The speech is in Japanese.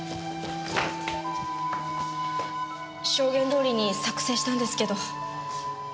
証言どおりに作成したんですけど。